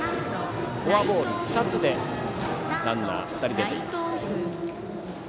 フォアボール２つでランナー２人出ています。